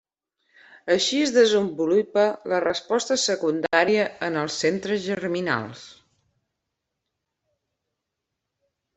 Així es desenvolupa la resposta secundària en els centres germinals.